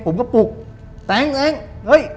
ผมก็ปลุกแต๊งเองเฮ้ย